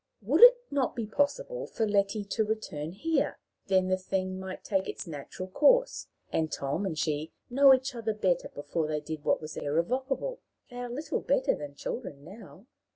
"Would it not be possible for Letty to return here? Then the thing might take its natural course, and Tom and she know each other better before they did what was irrevocable. They are little better than children now."